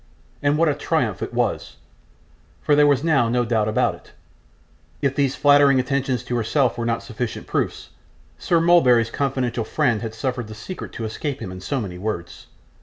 and what a triumph it was, for there was now no doubt about it. If these flattering attentions to herself were not sufficient proofs, Sir Mulberry's confidential friend had suffered the secret to escape him in so many words.